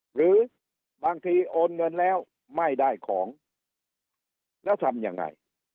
หรือบางทีโอนเงินแล้วไม่ได้ของแล้วทำยังไง